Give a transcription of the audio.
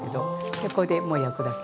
でこれでもう焼くだけ。